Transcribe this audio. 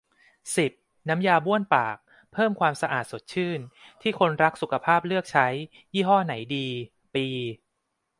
สิบ น้ำยาบ้วนปาก เพิ่มความสะอาด สดชื่น ที่คนรักสุขภาพเลือกใช้ ยี่ห้อไหนดี ปี